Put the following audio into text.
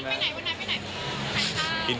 วันนั้นไปไหนวันนั้นไปไหน